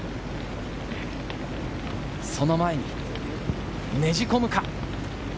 その前にねじ込むか？